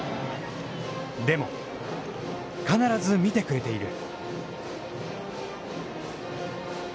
でも必ず見てくれている。